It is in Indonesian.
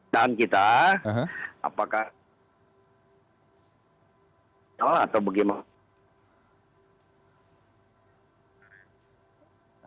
dan kita apakah atau bagaimana